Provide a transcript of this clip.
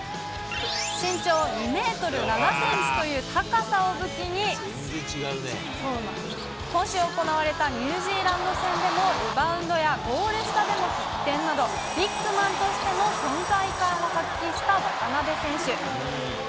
身長２メートル７センチという高さを武器に、今週行われたニュージーランド戦でも、リバウンドやゴール下での得点など、ビッグマンとしての存在感を発揮した渡邉選手。